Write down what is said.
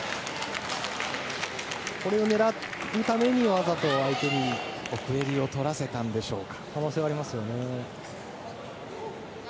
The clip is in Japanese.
これを狙うためにわざと相手に奥襟を取らせたんでしょうか。